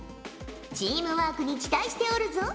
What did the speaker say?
チームワークに期待しておるぞ。